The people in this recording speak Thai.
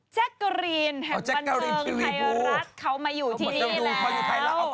แจ๊กกะรีนแห่งบันเทิงไทยรัฐเขามาอยู่ที่นี่แหละ